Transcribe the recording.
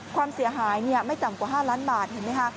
ความเสียหายไม่ต่ำกว่า๕ล้านบาทเห็นไหมคะ